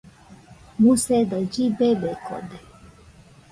Musedo llibebekode